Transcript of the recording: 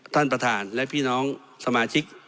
ท่านประธานและพี่น้องสมาชิก